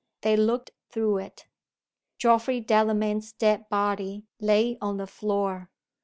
They looked through it. Geoffrey Delamayn's dead body lay on the floor.